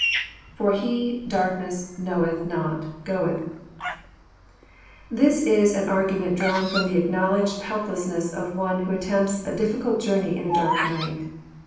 [For he... darkness.., knoweth not.,.goeth.'] This is an argu ment drawn f^om the acknowledged helplessness of one who attempts a difficult Journey in a dark night.